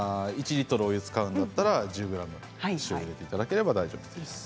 １リットルの量を使うんだったら１０ｇの塩を入れていただければ大丈夫です。